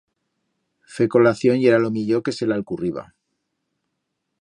Fer colación yera lo millor que se le alcurriba.